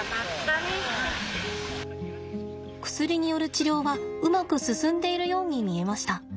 薬による治療はうまく進んでいるように見えました。